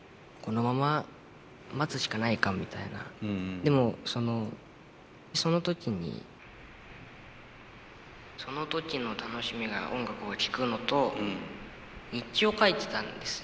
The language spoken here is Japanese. でもその時にその時の楽しみが音楽を聴くのと日記を書いてたんですよ。